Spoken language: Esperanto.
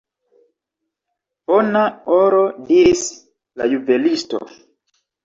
Bona oro, diris la juvelisto.